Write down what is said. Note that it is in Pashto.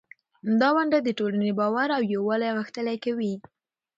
دا ونډه د ټولنې باور او یووالی غښتلی کوي.